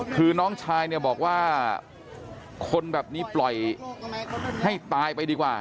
คือน้องชายเนี่ยบอกว่าคนแบบนี้ปล่อยให้ตายไปดีกว่า